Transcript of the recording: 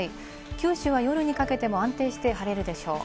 九州は夜にかけても安定して晴れるでしょう。